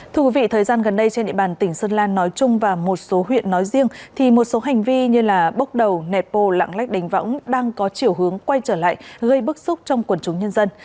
thưa quý vị thời gian gần đây trên địa bàn tỉnh sơn la nói chung và một số huyện nói riêng thì một số hành vi như bốc đầu nẹt bồ lãng lách đánh võng đang có chiều hướng quay trở lại gây bức xúc trong quần chúng nhân dân